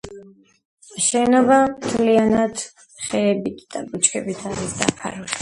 შენობა მთლიანად ხეებით და ბუჩქებით არის დაფარული.